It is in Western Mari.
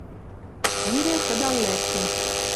Пирӹ, кыдал лӓктӹн.